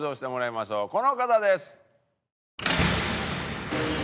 この方です！